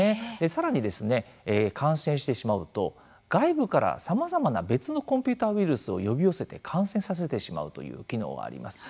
更に感染してしまうと外部からさまざまな別のコンピューターウイルスを呼び寄せて感染させてしまうという機能があります。